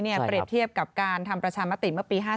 เปรียบเทียบกับการทำประชามติเมื่อปี๕๗